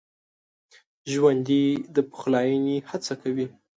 ژوندي د پخلاينې هڅه کوي